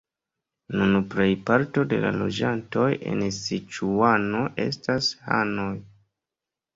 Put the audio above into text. Nun plejparto de la loĝantoj en Siĉuano estas hanoj.